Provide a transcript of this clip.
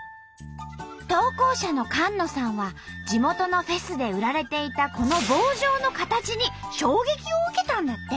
投稿者の菅野さんは地元のフェスで売られていたこの棒状の形に衝撃を受けたんだって！